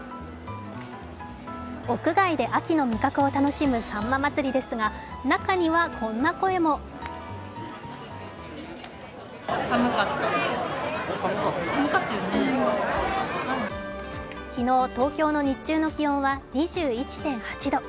屋外で秋の味覚を楽しむさんま祭ですが中にはこんな声も昨日、東京の日中の気温は２１．８度。